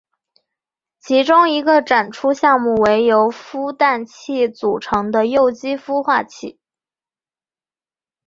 其中一个展出项目为由孵蛋器组成的幼鸡孵化器。